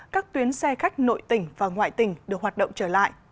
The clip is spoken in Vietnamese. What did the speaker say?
các tuyến xe khách nội tỉnh và ngoại tỉnh được hoạt động trở lại